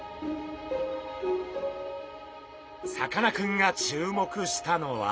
さかなクンが注目したのは。